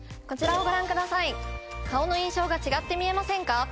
こちらをご覧ください顔の印象が違って見えませんか？